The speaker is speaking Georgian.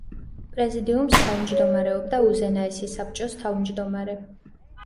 პრეზიდიუმს თავმჯდომარეობდა უზენაესი საბჭოს თავმჯდომარე.